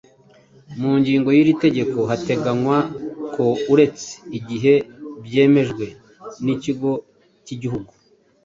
Mu ngingo yiri tegeko hateganywa ko uretse igihe byemejwe n’Ikigo k’Igihugu